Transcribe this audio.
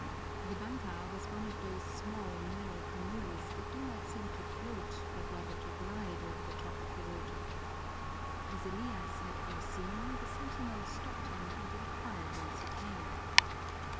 The banka was one of those small, narrow canoes that do not seem to float but rather to glide over the top of the water. As Elias had foreseen, the sentinel stopped him and inquired whence he came.